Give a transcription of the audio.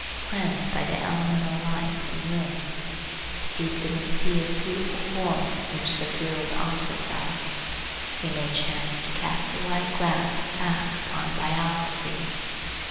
Cleansed by the elemental light and wind, steeped in the sea of beautiful forms which the field offers us, we may chance to cast a right glance back upon biography.